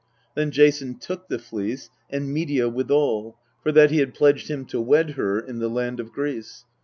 Then Jason took the Fleece, and Medea withal, for that he had pledged him to wed her in the land of Greece.